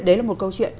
đấy là một câu chuyện